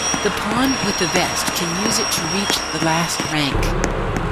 The pawn with the vest can use it to reach the last rank.